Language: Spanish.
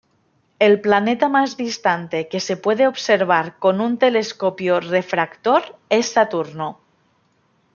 El planeta más distante que se puede observar con un telescopio refractor es Saturno.